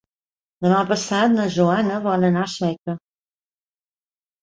Demà passat na Joana vol anar a Sueca.